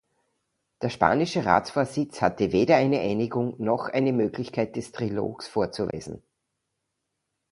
Der spanische Ratsvorsitz hatte weder eine Einigung noch eine Möglichkeit des Trilogs vorzuweisen.